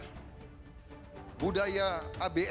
saya lebih baik pakai teknologi lama tapi kekayaan indonesia tidak berubah